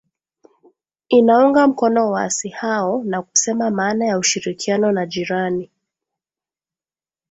inaunga mkono waasi hao na kusema maana ya ushirikiano na jirani